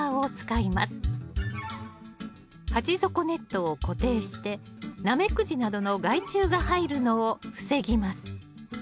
鉢底ネットを固定してナメクジなどの害虫が入るのを防ぎます。